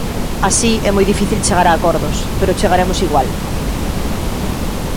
Así é moi difícil chegar a acordos, pero chegaremos igual.